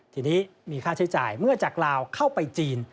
ทีนี้มีค่าใช้จ่ายเมื่อจากลาวเข้าไปจีน